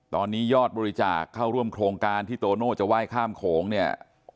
ตอนนี้ยอดบริจาคเข้าร่วมโครงการที่โตโน่จะไหว้ข้ามโขงเนี่ย